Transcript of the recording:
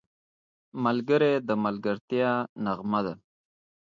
ملګری د ملګرتیا نغمه ده